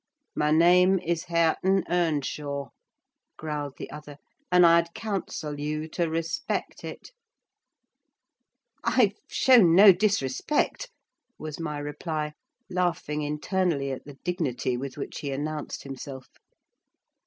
"My name is Hareton Earnshaw," growled the other; "and I'd counsel you to respect it!" "I've shown no disrespect," was my reply, laughing internally at the dignity with which he announced himself.